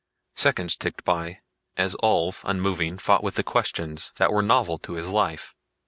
Seconds ticked by as Ulv, unmoving, fought with questions that were novel to his life.